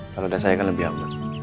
kalau udah saya kan lebih aman